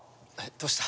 どうした？